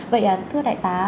vậy thưa đại tá